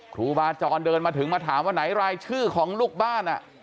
ครูบาจรเดินมาถึงมาถามว่าไหนรายชื่อของลูกบ้าน